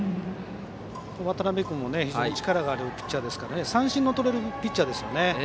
渡辺君も非常に力のあるピッチャーですから三振のとれるピッチャーですね。